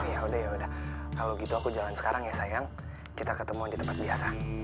oh ya udah ya udah kalau gitu aku jalan sekarang ya sayang kita ketemu di tempat biasa